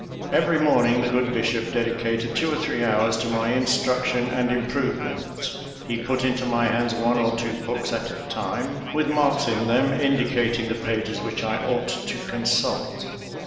Every morning the good bishop dedicated two or three hours to my instruction and improvement; he put into my hands one or two books at a time, with marks in them, indicating the pages which I ought to consult.